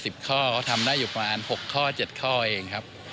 ๔๐ข้อเขาทำได้อยู่ประมาณ๖ข้อ๗ข้อเองครับ